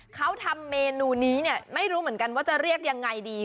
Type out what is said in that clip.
เขาทำเมนูนี้เนี่ยไม่รู้เหมือนกันว่าจะเรียกยังไงดี